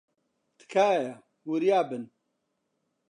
تکایە، وریا بن.